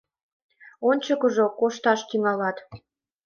Ончыкыжо кошташ тӱҥалат.